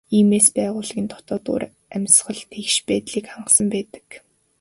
Тиймээс байгууллагын дотоод уур амьсгал тэгш байдлыг хангасан байдаг.